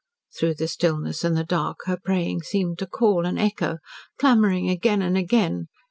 Through the stillness and the dark her praying seemed to call and echo, clamouring again and again.